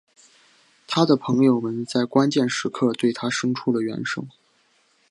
他的朋友们在关键时刻对他生出了援手。